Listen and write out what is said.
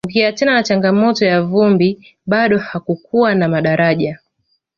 ukiachana na changamoto ya vumbi bado hakukuwa na madaraja